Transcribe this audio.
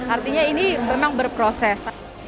artinya ini memang berproses